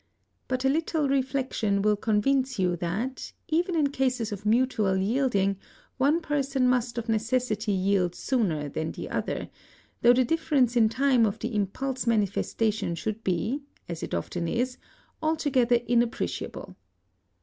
But a little reflection will convince you that, even in cases of mutual yielding, one person must of necessity yield sooner than the other, though the difference in time of the impulse manifestation should be as it often is altogether inappreciable.